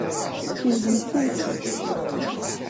Skeydem-tent.